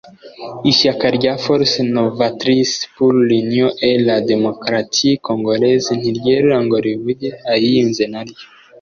ishyaka rya Force Novatrice pour l’Union et la Democratie Congolaise ntiryerura ngo rivuge ayiyunze naryo